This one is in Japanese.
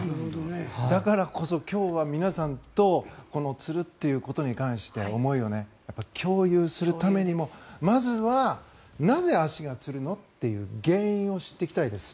だからこそ今日は皆さんとつるということに関して思いを共有するためにもまずはなぜ足がつるのという原因を知っていきたいです。